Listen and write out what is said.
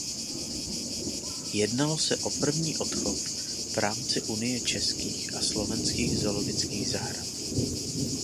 Jednalo se o první odchov v rámci Unie českých a slovenských zoologických zahrad.